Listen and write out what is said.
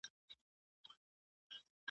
ما د خپلي مطالعې ذوق تل ساتلی دی.